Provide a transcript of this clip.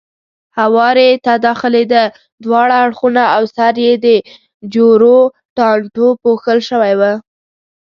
هوارۍ ته داخلېده، دواړه اړخونه او سر یې د جورو ټانټو پوښل شوی و.